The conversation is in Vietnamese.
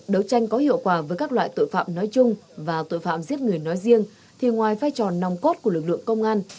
đấu tranh có hiệu quả với các loại tội phạm nói chung và tội phạm giết người nói riêng thì ngoài vai trò nòng cốt của lực lượng công an